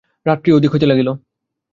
রাত্রি অধিক হইতে লাগিল।